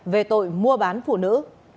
về tội mua bán phụ nữ